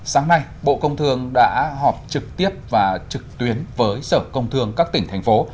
sáng nay bộ công thương đã họp trực tiếp và trực tuyến với sở công thương các tỉnh thành phố